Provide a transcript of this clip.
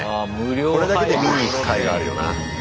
これだけで見に行くかいがあるよな。